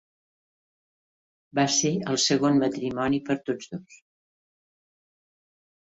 Va ser el segon matrimoni per tots dos.